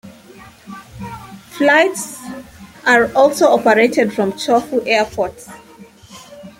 Flights are also operated from Chofu Airport.